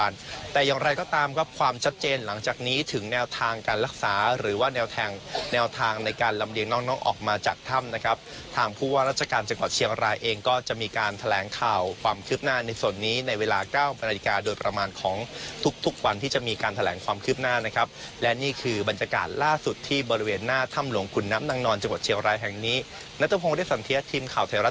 แนวทางการรักษาหรือว่าแนวทางในการลำเดียงน้องน้องออกมาจากถ้ำนะครับทางผู้ว่าราชการจังหวัดเชียงรายเองก็จะมีการแถลงข่าวความคืบหน้าในส่วนนี้ในเวลา๙บโดยประมาณของทุกวันที่จะมีการแถลงความคืบหน้านะครับและนี่คือบรรยากาศล่าสุดที่บริเวณหน้าถ้ำหลวงคุณน้ำน้องนอนจังหวัด